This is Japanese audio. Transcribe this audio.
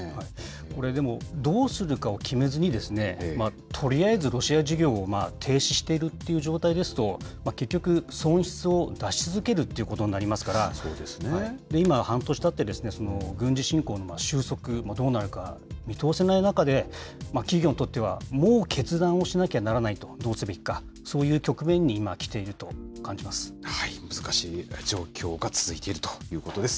これでも、どうするかを決めずに、とりあえずロシア事業を停止しているという状態ですと、結局、損失を出し続けるということになりますから、今、半年たって軍事侵攻の収束、どうなるか見通せない中で、企業にとってはもう決断をしなきゃならないと、どうすべきか、そういう局面に今、難しい状況が続いているということです。